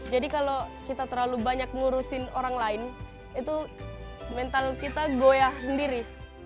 jadi kalau kita terlalu banyak ngurusin orang lain itu mental kita goyah sendiri